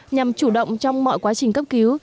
nhằm chủ động trong mọi quá trình cấp cứu